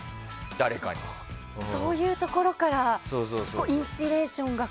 そういうところからインスピレーションが。